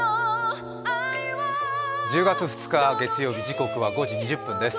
１０月２日、月曜日、時刻は５時２０分です。